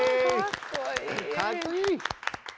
かっこいい！